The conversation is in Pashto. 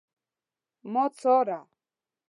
ما څاره